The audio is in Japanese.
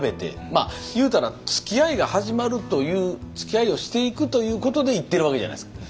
まあ言うたらつきあいが始まるというつきあいをしていくということで行ってるわけじゃないですか。